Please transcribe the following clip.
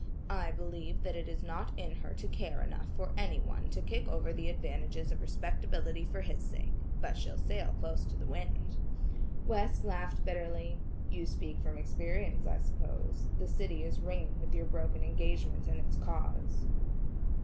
"I believe that it is not in her to care enough for any one to kick over the advantages of respectability for his sake, but she'll sail close to the wind." West laughed bitterly: "You speak from experience I suppose; the city is ringing with your broken engagement and its cause."